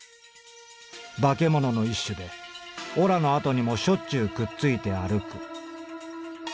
『化け物の一種でおらのあとにもしょっちゅうくっついて歩く』」。